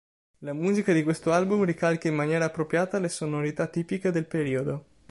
La musica di questo album ricalca in maniera appropriata le sonorità tipiche del periodo.